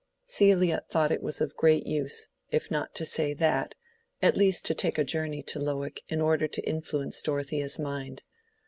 Celia thought it was of great use, if not to say that, at least to take a journey to Lowick in order to influence Dorothea's mind.